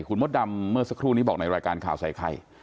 คุณมดดำเมื่อสักครู่นี้บอกในรายการข่าวใส่ไข่